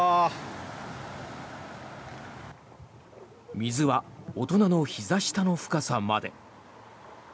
水は大人のひざ下の深さまで。